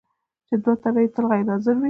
چې دوه تنه یې تل غیر حاضر وي.